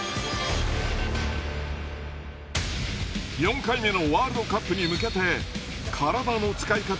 ４回目のワールドカップに向けて体の使い方を見直した堀江。